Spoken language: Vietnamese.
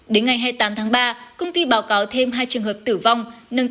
đến ngày hai mươi tám tháng ba công ty báo cáo thêm hai trường hợp tử vong